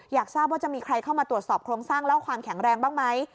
อยากทราบว่าจะมีใครเข้ามาตรวจสอบโครงสร้างและความแข็งแรงบ้างไหม